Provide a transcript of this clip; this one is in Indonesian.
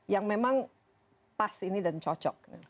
yang memang pas ini dan cocok